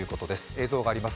映像があります。